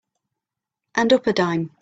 And up a dime.